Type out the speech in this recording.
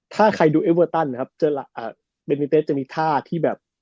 ถ้าใครดูเอเวอร์เติ้ลเจลลาอูริเบนิเตสจะมีท่าที่แบบ